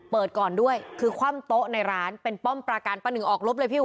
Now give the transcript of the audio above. เปิดก่อนด้วยคือคว่ำโต๊ะในร้านเป็นป้อมประกันป้าหนึ่งออกลบเลยพี่อุ